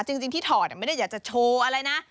จริงที่ถอดไม่ได้อยากจะโชว์อะไรนะ